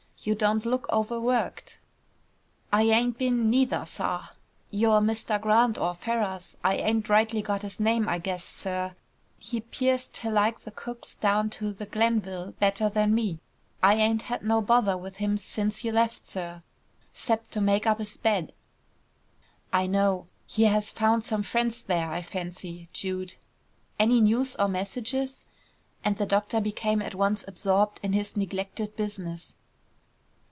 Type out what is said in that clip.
"You don't look overworked." "I ain't been, neither, sah. Your Mr. Grant or Ferrars, I ain't rightly got his name, I guess, sir, he 'pears ter like the cooks down to the Glenville better than me. I ain't had no bother with him since you left, sir, 'cept to make up his bed." "I know. He has found some friends there, I fancy, Jude. Any news or messages?" and the doctor became at once absorbed in his neglected business.